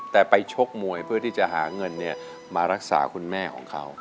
แต่ไปชกมวยเพื่อที่จะหาเงินมารักษาคุณแม่ของเขา